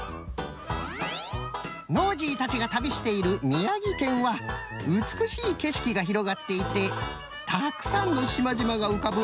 ノージーたちが旅している宮城県はうつくしいけしきがひろがっていてたくさんのしまじまがうかぶ